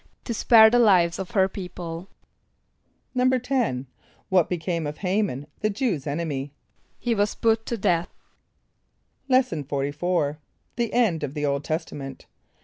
=To spare the lives of her people.= =10.= What became of H[=a]´man, the Jew[s+]' enemy? =He was put to death.= Lesson XLIV. The end of the Old Testament.